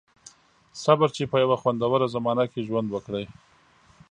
• صبر، چې په یوه خوندوره زمانه کې ژوند وکړئ.